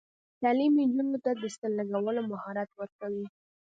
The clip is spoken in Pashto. تعلیم نجونو ته د ستن لګولو مهارت ورکوي.